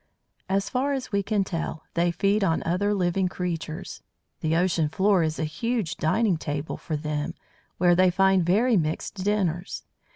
As far as we can tell, they feed on other living creatures. The ocean floor is a huge dining table for them, where they find very mixed dinners.